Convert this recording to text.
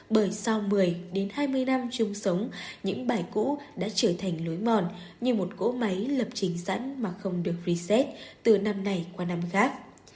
bởi sau một mươi đến hai mươi năm chung sống những bài cũ đã trở thành lối mòn như một cỗ máy lập trình sẵn mà không được res từ năm này qua năm khác